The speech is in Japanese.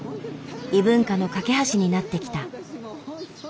異文化の懸け橋になってきた。